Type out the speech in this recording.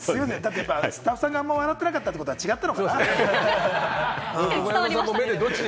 スタッフさんがあまり笑ってなかったってことは、違ったのかな？